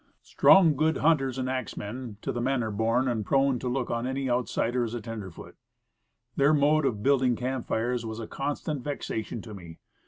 Strong, good hunters and axe men, to the manor born, and prone to look on any outsider cr> a tenderfoot. Their mode of building camp fires was a constant vexation to me.